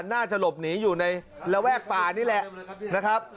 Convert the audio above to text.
น่าจะหลบหนีอยู่ในระแวกป่านี่แหละนะครับ